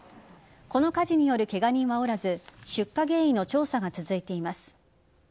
この火事によるケガ人はおらず出火原因の調査が続いています。